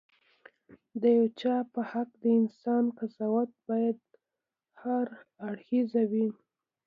د یو چا په حق د انسان قضاوت باید هراړخيزه وي.